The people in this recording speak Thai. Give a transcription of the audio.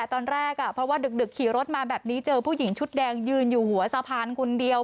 ตอนแรกเพราะว่าดึกขี่รถมาแบบนี้เจอผู้หญิงชุดแดงยืนอยู่หัวสะพานคนเดียว